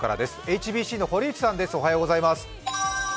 ＨＢＣの堀内さんです。